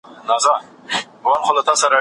ډاکټر مجاور احمد زیار د موضوع مخینه مهمه بولي.